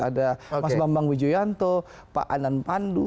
ada mas bambang widjo yanto pak anand pandu